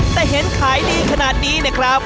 แต่เห็นขายดีขนาดนี้เนี่ยครับ